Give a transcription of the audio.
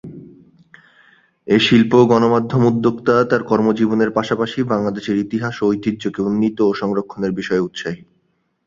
এ শিল্প ও গণমাধ্যম উদ্যোক্তা তার কর্মজীবনের পাশাপাশি বাংলাদেশের ইতিহাস ও ঐতিহ্যকে উন্নীত ও সংরক্ষণের বিষয়ে উৎসাহী।